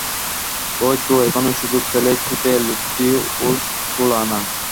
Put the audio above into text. ও তো এখনই সুযোগ পেলেই ছোটে, লোভটি ওর ষোলো-আনা।